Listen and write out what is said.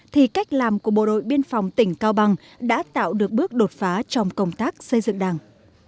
thì cách làm của bộ đội biên phòng tỉnh cao bằng đã tạo được bước đột phá trong công tác xây dựng đảng